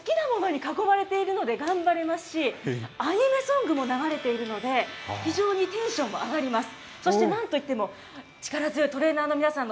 つらいんですけれども、でも好きなものに囲まれているので頑張れますし、アニメソングも流れているので、非常にテンションも上がります。